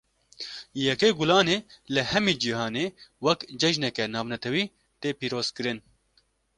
Yekê Gulanê, li hemî cihanê wek cejneke navnetewî tê pîroz kirin